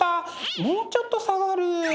もうちょっと下がる。